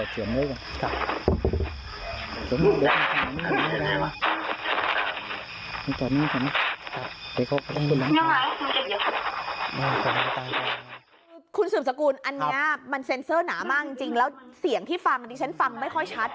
เสียงที่ฟังสิ่งที่ชั้นฟังไม่ค่อยชัด